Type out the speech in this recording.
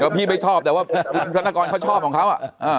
พี่ไม่ชอบแต่ว่าคุณธนกรเขาชอบของเขา